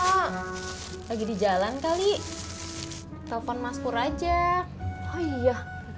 jadi angkat kak lagi di jalan kali telepon mas pur aja oh iya